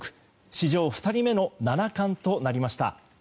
史上２人目の七冠となりました。